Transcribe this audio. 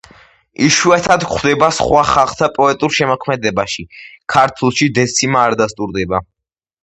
იშვიათად გვხვდება სხვა ხალხთა პოეტურ შემოქმედებაში, ქართულში დეციმა არ დასტურდება.